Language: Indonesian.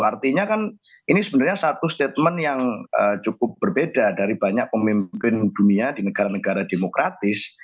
artinya kan ini sebenarnya satu statement yang cukup berbeda dari banyak pemimpin dunia di negara negara demokratis